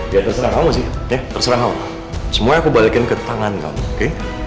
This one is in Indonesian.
ya terserah kamu sih ya terserah kamu semuanya aku balikin ke tangan kamu oke